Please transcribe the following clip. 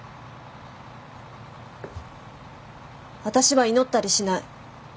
私は祈ったりしない。